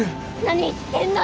何言ってんのよ？